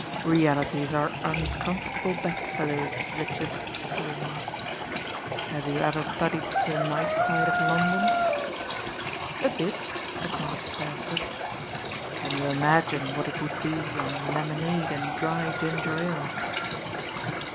"Realities are uncomfortable bedfellows, Rich ard," he remarked. "Have you ever studied the night slde of London?" "A bit," acknowledged Beresford. "Can you Imagine what it would be on lemonade and dry ginger ale?"